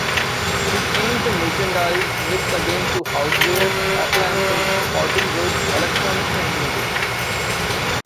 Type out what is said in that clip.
He changed the merchandise mix again to housewares, appliances, sporting goods, electronics, and music.